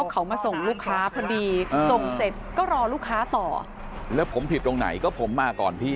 เขามาส่งลูกค้าพอดีส่งเสร็จก็รอลูกค้าต่อแล้วผมผิดตรงไหนก็ผมมาก่อนพี่